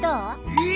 えっ！？